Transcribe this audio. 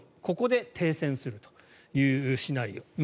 ここで停戦するというシナリオ。